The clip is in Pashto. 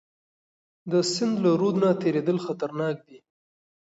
د سند له رود نه تیریدل خطرناک دي.